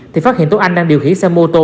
thì phát hiện tốn anh đang điều khí xe mô tô